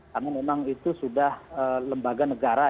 karena memang itu sudah lembaga negara